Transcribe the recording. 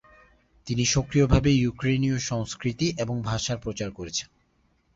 তিনি সক্রিয়ভাবে ইউক্রেনীয় সংস্কৃতি এবং ভাষার প্রচার করেছেন।